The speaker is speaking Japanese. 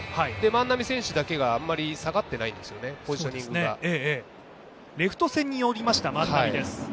万波選手だけがあんまり下がってないんですよね、ポジショニングがレフト線に寄りました万波です。